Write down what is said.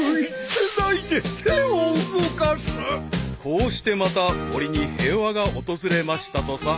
［こうしてまた森に平和が訪れましたとさ］